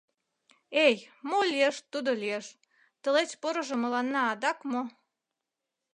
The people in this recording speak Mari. Эй, мо лиеш, тудо лиеш: тылеч порыжо мыланна адак мо?..